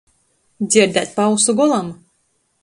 Dzierdēt pa ausu golam.